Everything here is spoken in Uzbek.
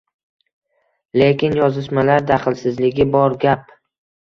Lekin yozishmalar daxlsizligi bor gap